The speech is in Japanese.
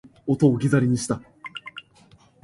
声の寄付ができません。